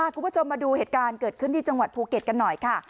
คุณผู้ชมมาดูเหตุการณ์เกิดขึ้นที่จังหวัดภูเก็ตกันหน่อยค่ะ